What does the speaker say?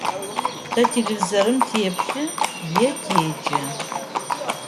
Тэ телевизорым теплъы е теджэ.